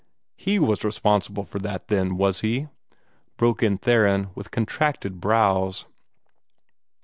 "HE was responsible for that, then, was he?" broke in Theron, with contracted brows.